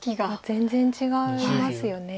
全然違いますよね。